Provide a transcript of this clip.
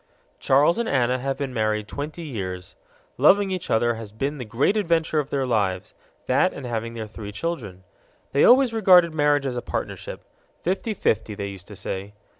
Charles and Anna have been married twenty years. Loving each other has been the great adventure of their lives that and having their three children. They always regarded marriage as a partnership fifty fifty, they used to say.